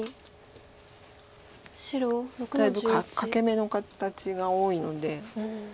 だいぶ欠け眼の形が多いので。